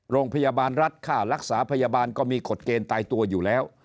โรงพยาบาลรัฐค่ารักษาพยาบาลก็มีกฎเกณฑ์ตายตัวอยู่แล้ว